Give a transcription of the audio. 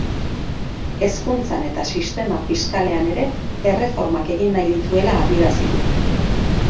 Hezkuntzan eta sistema fiskalean ere erreformak egin nahi dituela adierazi du.